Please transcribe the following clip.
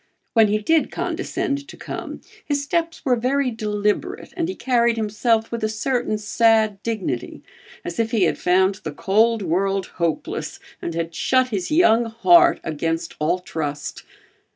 When he did condescend to come, his steps were very deliberate and he carried himself with a certain sad dignity as if he had found the cold world hopeless, and had shut his young heart against all trust.